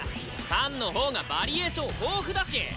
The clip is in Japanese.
パンのほうがバリエーション豊富だし。